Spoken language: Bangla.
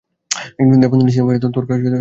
দেবানন্দের সিনেমায় তোর কাজ করার কথা চলছে।